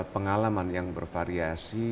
pengalaman yang bervariasi